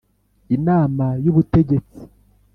Inama y Ubutegetsi